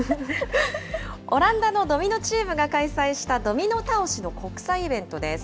オランダのドミノチームが開催したドミノ倒しの国際イベントです。